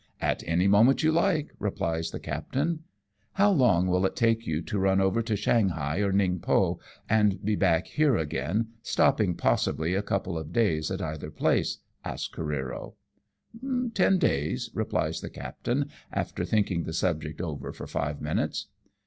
"At any moment you like," replies the captain. " How long will it take you to run over to Shanghai or Mngpo and be back here again, stopping possibly a couple of days at either place ?" asks Careero. " Ten days," replies the captain, after thinking the subject oyer for five minutes.